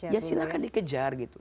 ya silahkan dikejar gitu